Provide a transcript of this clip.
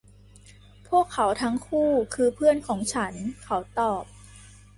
พวกเขาทั้งคู่คือเพื่อนของฉัน เขาตอบ